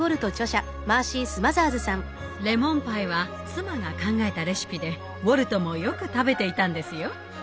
レモンパイは妻が考えたレシピでウォルトもよく食べていたんですよ。